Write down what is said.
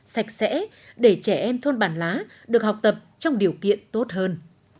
sạch sẽ để trẻ em thôn bản lá được học tập trong điều kiện tốt hơn